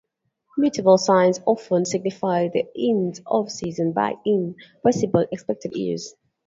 Mutable signs often signify the ends of seasons but in possibly expected years.